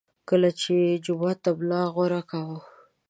کله چې به یې جومات ته ملا غوره کاوه.